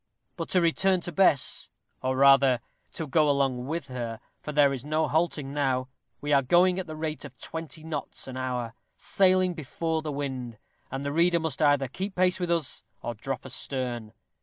But to return to Bess, or rather to go along with her, for there is no halting now; we are going at the rate of twenty knots an hour sailing before the wind; and the reader must either keep pace with us, or drop astern.